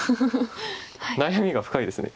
悩みが深いです。